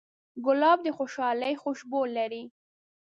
ګلاب د خوشحالۍ خوشبو لري.